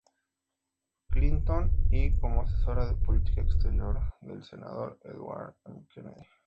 Clinton; y, como asesora de política exterior del senador Edward M. Kennedy.